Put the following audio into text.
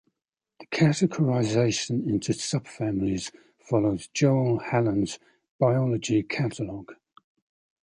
The categorization into subfamilies follows Joel Hallan's Biology Catalog.